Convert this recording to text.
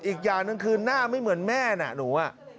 อีกอย่างหนึ่งคือหน้าไม่เหมือนแม่น่ะหนู